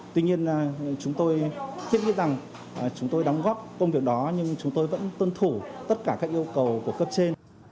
tuy nhiên chúng tôi thiết nghĩ rằng chúng tôi đóng góp công việc đó nhưng chúng tôi vẫn tuân thủ tất cả các yêu cầu của cấp trên